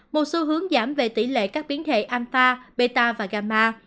một xu hướng giảm về tỷ lệ các biến thể alpha beta và gamma